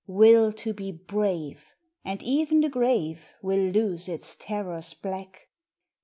Will to be brave And e en the grave Will lose its terrors black.